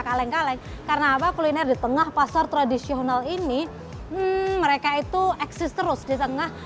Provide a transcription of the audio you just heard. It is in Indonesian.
kaleng kaleng karena apa kuliner di tengah pasar tradisional ini mereka itu eksis terus di tengah